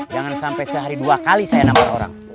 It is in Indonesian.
jangan sampai sehari dua kali saya nampak orang